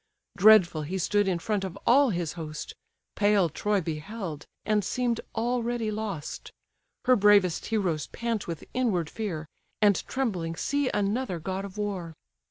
Dreadful he stood in front of all his host; Pale Troy beheld, and seem'd already lost; Her bravest heroes pant with inward fear, And trembling see another god of war.